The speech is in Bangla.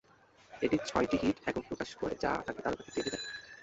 এটি ছয়টি হিট একক প্রকাশ করে যা তাকে তারকা খ্যাতি এনে দেয়।